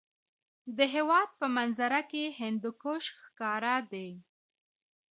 د هېواد په منظره کې هندوکش ښکاره دی.